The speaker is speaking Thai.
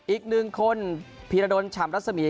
อีกหนึ่งคนพีระดนฉามรัษมี